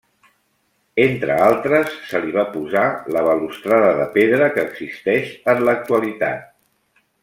Entre altres se li va posar la balustrada de pedra que existeix en l'actualitat.